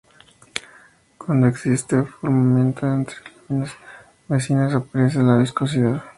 Cuando existe frotamiento entre láminas vecinas aparece la viscosidad.